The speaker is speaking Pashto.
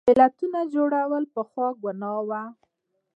ملتونو جوړول پخوا ګناه وه.